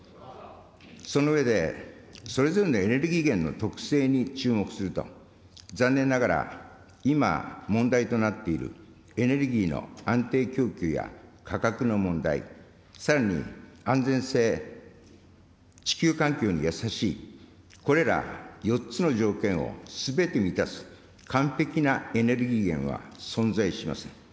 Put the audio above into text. その上で、それぞれのエネルギー源の特性に注目すると、残念ながら今、問題となっているエネルギーの安定供給や価格の問題、さらに安全性、地球環境に優しい、これら４つの条件をすべて満たす完璧なエネルギー源は存在しません。